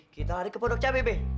kita lari ke pondok cabai be